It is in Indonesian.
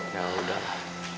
ya udah lah